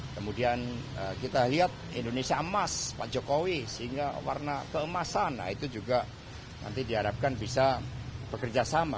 kemudian kita lihat indonesia emas pak jokowi sehingga warna keemasan nah itu juga nanti diharapkan bisa bekerja sama